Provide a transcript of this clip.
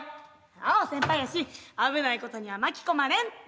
アオ先輩やし危ないことには巻き込まれんって。